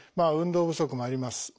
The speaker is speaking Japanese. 運動不足もあります。